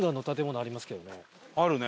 あるね。